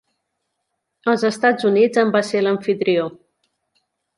Els Estats Units en va ser l'amfitrió.